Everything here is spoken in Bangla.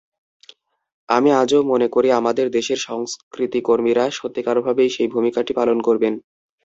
আমি আজও মনে করি আমাদের দেশের সংস্কৃতিকর্মীরা সত্যিকারভাবেই সেই ভূমিকাটি পালন করবেন।